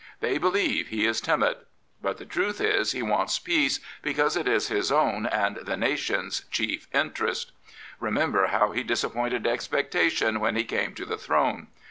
They believe he is timid. But the truth is he wants peace because it is his own and the nation's chief interest. Remember how he disappointed expectation when he came to the throne.